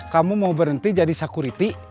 kamu mau berhenti jadi security